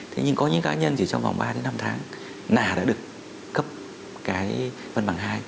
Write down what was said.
thế nhưng có những cá nhân chỉ trong vòng ba đến năm tháng là đã được cấp cái văn bằng hai